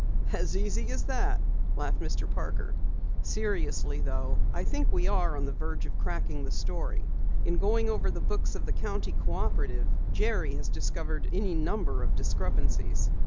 "As easy as that?" laughed Mr. Parker. "Seriously though, I think we are on the verge of cracking the story. In going over the books of the County Cooperative, Jerry has discovered any number of discrepancies."